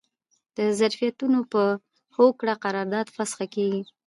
د طرفینو په هوکړه قرارداد فسخه کیږي.